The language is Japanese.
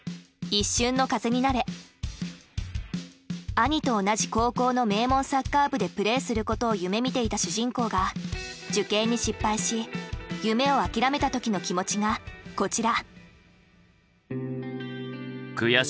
兄と同じ高校の名門サッカー部でプレイすることを夢みていた主人公が受験に失敗し夢を諦めたときの気持ちがこちら。